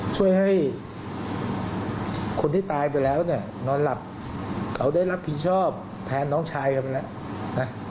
ช่วยให้คนที่ตายไปแล้วเนี่ยนอนหลับเขาได้รับผิดชอบแทนน้องชายกันไปแล้วนะ